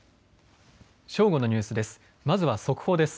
正午のニュースです。